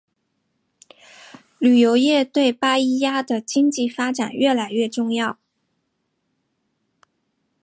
旅游业对巴伊亚的经济发展越来越重要。